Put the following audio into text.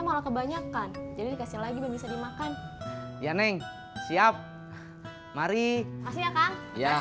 malah kebanyakan jadi kasih lagi bisa dimakan ya neng siap mari kasih ya kak ya kasih